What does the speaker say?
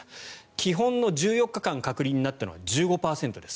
基本の１４日間隔離になったのは１５％です。